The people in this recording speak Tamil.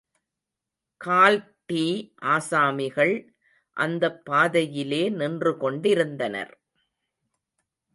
கால்ட்டீ ஆசாமிகள் அந்தப் பாதையிலே நின்று கொண்டிருந்தனர்.